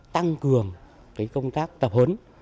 tăng cường công tác tập hấn